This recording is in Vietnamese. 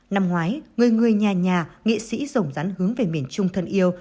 năm ngoái người người nhà nhà nghệ sĩ rồng rắn hướng về miền trung thân yêu